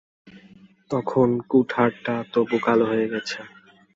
তখন কুঠারটা তবু কালো হয়ে গেছে।